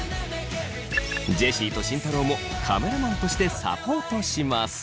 ジェシーと慎太郎もカメラマンとしてサポートします。